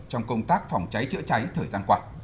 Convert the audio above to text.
trong công tác phòng cháy chữa cháy thời gian qua